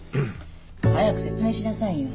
早く説明しなさいよ。